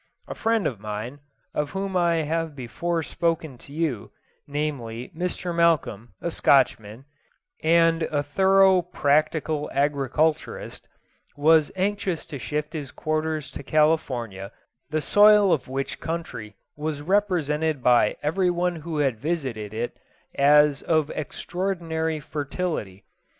A friend of mine, of whom I have before spoken to you, namely, Mr. Malcolm, a Scotchman, and a thorough practical agriculturist, was anxious to shift his quarters to California, the soil of which country was represented by every one who had visited it as of extraordinary fertility.